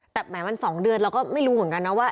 แต่แหมมัน๒เดือนเราก็ไม่รู้เหมือนกันนะว่า